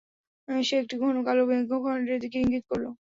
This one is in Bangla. সে একটি ঘন কাল মেঘখণ্ডের দিকে ইংগিত করল।